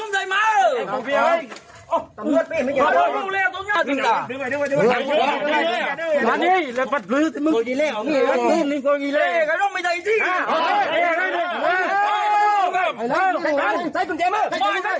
ที่สุดก็โดนขังได้จริงแล้ว